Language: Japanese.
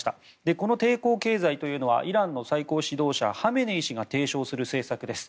この抵抗経済政策というのはイランの最高指導者ハメネイ師が提唱する政策です。